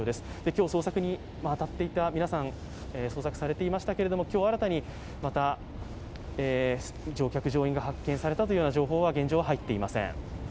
今日、捜索に当たっていた皆さん捜索されていましたけれども、今日新たに乗客・乗員が発見されたという情報は現状は入っていません。